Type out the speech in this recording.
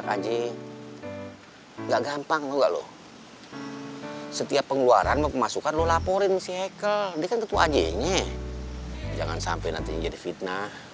kalau gitu neng telepon aku dulu bentar ya